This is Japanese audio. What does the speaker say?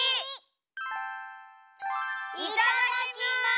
いただきます！